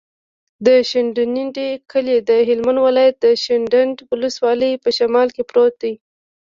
د شینډنډ کلی د هلمند ولایت، شینډنډ ولسوالي په شمال کې پروت دی.